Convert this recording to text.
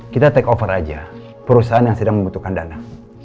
kita take over aja perusahaan yang sedang membutuhkan dana